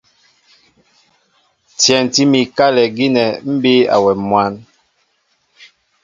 Tyɛntí mi kálɛ gínɛ́ mbí awɛm mwǎn.